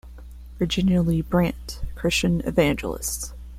Virginia Lee Brandt, Christian evangelists.